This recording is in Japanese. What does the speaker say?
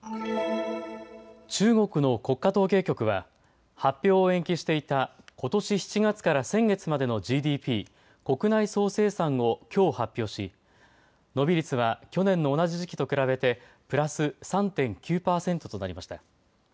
中国の国家統計局は発表を延期していたことし７月から先月までのＧＤＰ・国内総生産をきょう発表し伸び率は去年の同じ時期と比べてプラス３．９％となりました。